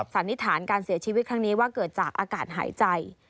สันนิษฐานการเสียชีวิตครั้งนี้ว่าเกิดจากอากาศหายใจ